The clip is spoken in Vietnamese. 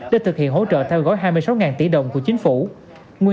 để thực hiện hỗ trợ theo gói hai mươi sáu tỷ đồng của chính phủ